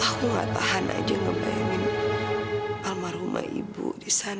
aku gak tahan aja ngebayangin almarhumah ibu di sana